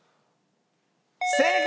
正解！